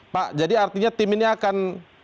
pak jadi artinya tim ini akan